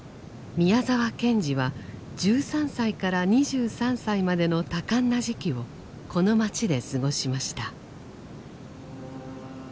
宮沢賢治は１３歳から２３歳までの多感な時期をこの街で過ごしました。